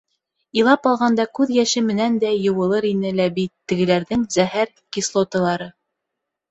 Илап алғанда күҙ йәше менән дә йыуылыр ине лә бит тегеләрҙең зәһәр кислоталары.